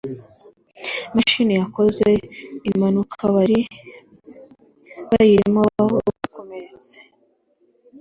imashini yakoze impanukaabari bayirimo bakomeretse